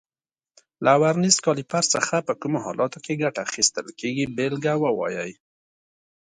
له ورنیز کالیپر څخه په کومو حالاتو کې ګټه اخیستل کېږي بېلګه ووایئ.